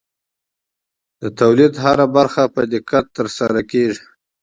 د تولید هره برخه په دقت ترسره کېږي.